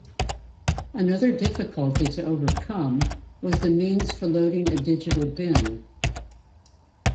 Another difficulty to overcome was the means for loading a digital bin.